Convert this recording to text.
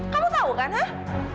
kamu tahu kan hah